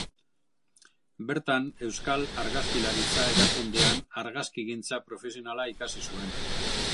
Bertan Euskal Argazkilaritza Erakundean argazkigintza profesionala ikasi zuen.